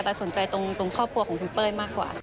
แต่สนใจตรงครอบครัวของคุณเป้ยมากกว่า